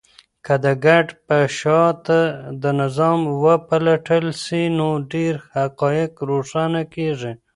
که د کډه په شاته نظام وپلټل سي، نو ډېر حقایق روښانه کيږي.